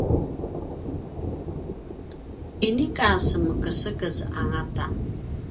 inika semekesekez angata